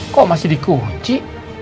kok masih di kunci